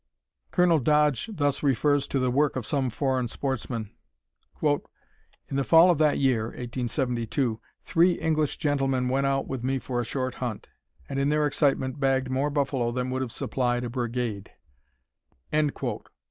Colonel Dodge thus refers to the work of some foreign sportsmen: "In the fall of that year three English gentlemen went out with me for a short hunt, and in their excitement bagged more buffalo than would have supplied a brigade."